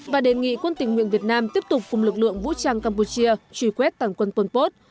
và đề nghị quân tình nguyện việt nam tiếp tục cùng lực lượng vũ trang campuchia truy quét tàn quân pol pot